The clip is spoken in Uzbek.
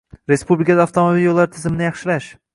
Respublikada avtomobil yo'llari tizimini yaxshilash